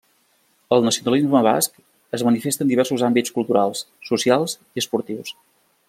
El nacionalisme basc es manifesta en diversos àmbits culturals, socials i esportius.